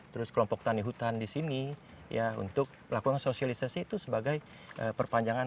terus kelompok tani hutan di sini ya untuk melakukan sosialisasi itu sebagai perpanjangan